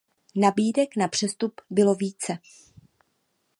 Nabídek na přestup bylo více.